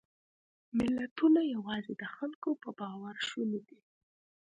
ملتونه یواځې د خلکو په باور شوني دي.